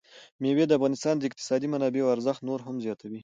مېوې د افغانستان د اقتصادي منابعو ارزښت نور هم زیاتوي.